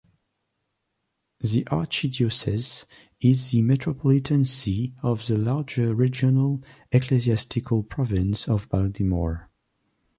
The archdiocese is the metropolitan see of the larger regional Ecclesiastical Province of Baltimore.